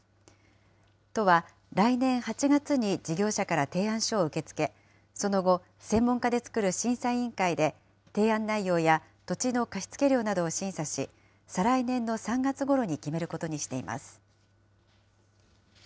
都は来年８月に事業者から提案書を受け付け、その後、専門家で作る審査委員会で、提案内容や土地の貸付料などを審査し、再来年の３月ごろに決めることにしています。